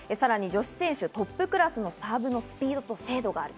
さらに女子選手トップクラスのサーブのスピードと精度がある。